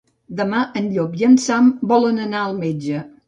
Demà en Llop i en Sam volen anar al metge.